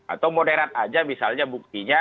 atau moderat aja misalnya buktinya